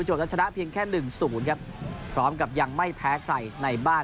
รสลานดูมุยยาครับ